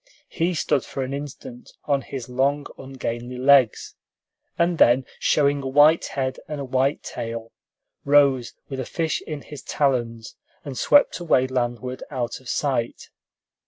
He stood for an instant on his long, ungainly legs, and then, showing a white head and a white tail, rose with a fish in his talons, and swept away landward out of sight.